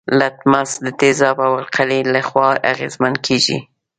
لتمس د تیزاب او القلي له خوا اغیزمن کیږي.